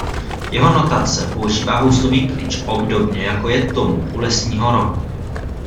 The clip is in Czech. Jeho notace používá houslový klíč obdobně jako je tomu u jako lesního rohu.